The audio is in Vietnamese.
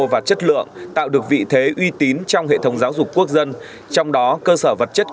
và chất lượng tạo được vị thế uy tín trong hệ thống giáo dục quốc dân trong đó cơ sở vật chất